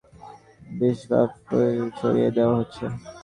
দেশব্যাপী সন্ত্রাস সাম্প্রদায়িকতার বিষবাষ্প ছড়িয়ে দেওয়া হচ্ছে।